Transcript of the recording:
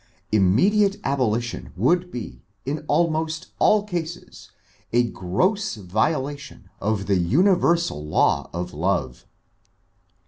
Immediate abolition would be, in almost all cases, a gross violation of the universal law of love.